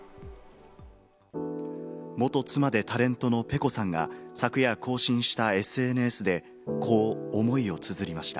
元妻でタレントのｐｅｃｏさんが昨夜更新したＳＮＳで、こう思いをつづりました。